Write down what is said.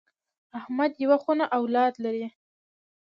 احمد یوه خونه اولاد لري.